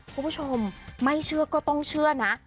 คุณผู้ชมไม่เชื่อก็ต้องเชื่อนะ